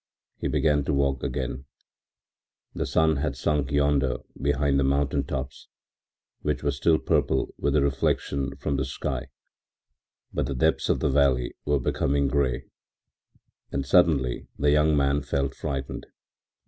He began to walk again. The sun had sunk yonder behind the mountain tops, which were still purple with the reflection from the sky, but the depths of the valley were becoming gray, and suddenly the young man felt frightened.